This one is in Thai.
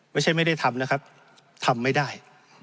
ไม่ใช่ไม่ได้ทำนะครับทำไม่ได้